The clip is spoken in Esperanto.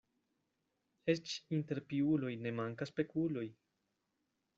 Eĉ inter piuloj ne mankas pekuloj.